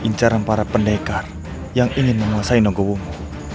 incaran para pendekar yang ingin menguasai nogowo